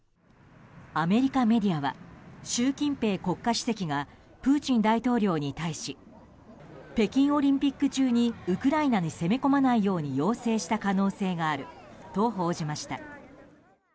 アメリカメディアは習近平国家主席がプーチン大統領に対し北京オリンピック中にウクライナに攻め込まないように要請した可能性があると報じました。